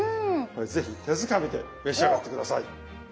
是非手づかみで召し上がって下さい。